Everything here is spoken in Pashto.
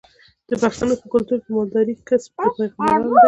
د پښتنو په کلتور کې د مالدارۍ کسب د پیغمبرانو دی.